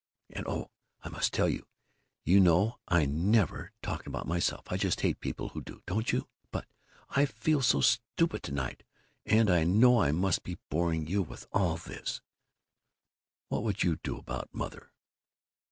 And oh, I must tell you You know I never talk about myself; I just hate people who do, don't you? But I feel so stupid to night, and I know I must be boring you with all this but What would you do about Mother?"